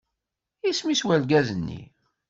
Isem-is urgaz-nni?